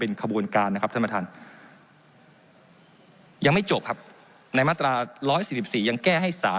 เป็นขบูลการนะครับธรรมทานยังไม่จบครับในมาตราร้อยสิบสี่สี่ยังแก้ให้ศาล